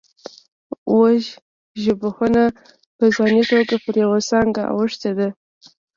وژژبپوهنه په ځاني توګه پر یوه څانګه اوښتې ده